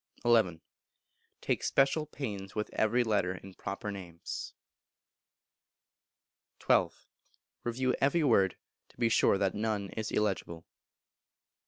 xi. Take special pains with every letter in proper names. xii. Review every word, to be sure that none is illegible.